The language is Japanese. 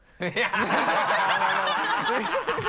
ハハハ